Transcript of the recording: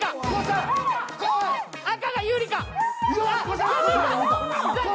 赤が有利か？